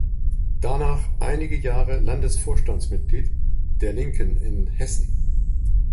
Danach einige Jahre Landesvorstandsmitglied der Linken in Hessen.